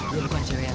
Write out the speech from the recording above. lu bukan cewek